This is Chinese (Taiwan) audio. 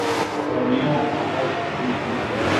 我沒有好好考慮過